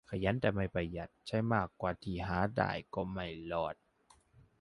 ขยันแต่ไม่ประหยัด ใช้มากกว่าที่หาได้ ก็ไม่รอด